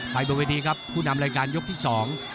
ไปบนเวทีครับผู้นำรายการยกที่สอง